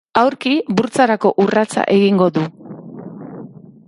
Aurki, burtsarako urratsa egingo du.